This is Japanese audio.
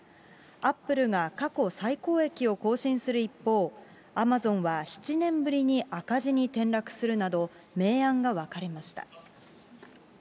アップルが過去最高益を更新する一方、アマゾンは７年ぶりに赤字に転落するなど、明暗が分かれました。